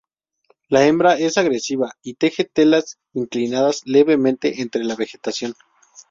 La hembra es agresiva y teje telas inclinadas levemente entre la vegetación.